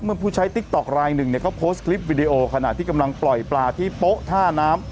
ผู้ใช้ติ๊กต๊อกลายหนึ่งเนี่ยเขาโพสต์คลิปวิดีโอขณะที่กำลังปล่อยปลาที่โป๊ะท่าน้ำ